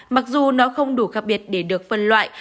mặc dù nó không đủ khác biệt để được phân loại